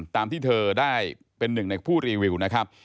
ตามที่เธอได้เป็นหนึ่งในผู้รีวิวนะครับ